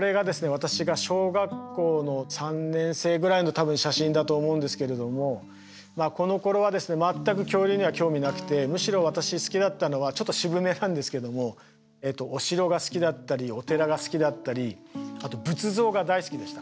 私が小学校の３年生ぐらいの多分写真だと思うんですけれどもこのころは全く恐竜には興味なくてむしろ私好きだったのはちょっと渋めなんですけどもお城が好きだったりお寺が好きだったりあと仏像が大好きでした。